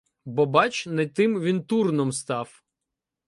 Бо бач, не тим він Турном став.